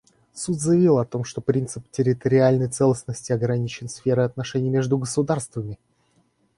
Суд заявил о том, что принцип территориальной целостности ограничен сферой отношений между государствами.